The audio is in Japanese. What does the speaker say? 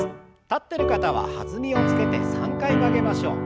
立ってる方は弾みをつけて３回曲げましょう。